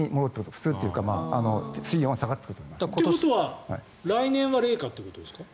普通というか水温は下がってくると。ということは来年は冷夏ということですか。